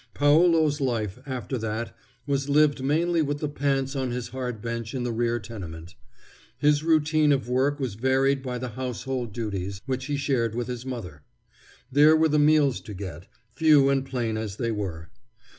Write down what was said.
Paolo's life, after that, was lived mainly with the pants on his hard bench in the rear tenement. His routine of work was varied by the household duties, which he shared with his mother. There were the meals to get, few and plain as they were.